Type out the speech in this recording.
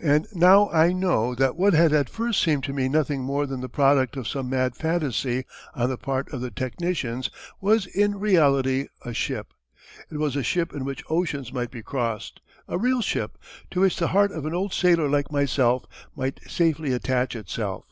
And now I know that what had at first seemed to me nothing more than the product of some mad phantasy on the part of the technicians was in reality a ship. It was a ship in which oceans might be crossed, a real ship, to which the heart of an old sailor like myself might safely attach itself.